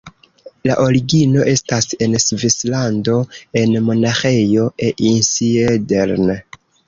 La origino estas en Svislando, en Monaĥejo Einsiedeln.